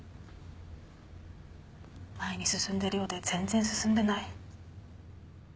前に進んでるようで全然進んでない。